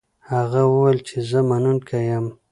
هغه وویل چې زه منونکی یم.